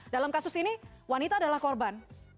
dalam kasus ini wanita adalah korban